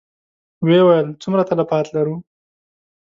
ويې ويل: څومره تلفات لرو؟